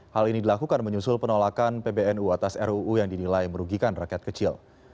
hal ini dilakukan menyusul penolakan pbnu atas ruu yang dinilai merugikan rakyat kecil